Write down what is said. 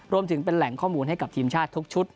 รวมถึงเป็นแหล่งข้อมูลให้กับทีมชาติทุกชุด